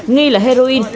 nghi là heroin